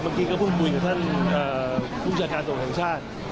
เมื่อกี้ก็พูดบุญกับท่านผู้จัดการส่วนแข่งชาติ